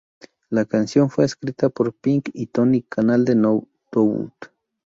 La canción fue escrita por Pink y Tony Kanal de No Doubt.